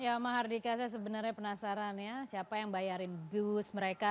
ya mahardika saya sebenarnya penasaran ya siapa yang bayarin bus mereka